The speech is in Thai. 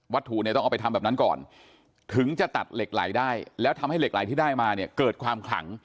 ถูกเนี่ยต้องเอาไปทำแบบนั้นก่อนถึงจะตัดเหล็กไหลได้แล้วทำให้เหล็กไหลที่ได้มาเนี่ยเกิดความขลัง